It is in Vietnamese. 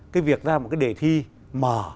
cái việc ra một cái đề thi mở